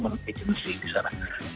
menjadi payment settlement agency